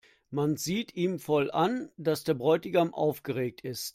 Man sieht ihm voll an, dass der Bräutigam aufgeregt ist.